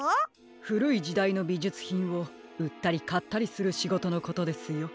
ふるいじだいのびじゅつひんをうったりかったりするしごとのことですよ。